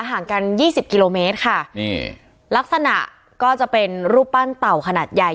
ห่างกันยี่สิบกิโลเมตรค่ะนี่ลักษณะก็จะเป็นรูปปั้นเต่าขนาดใหญ่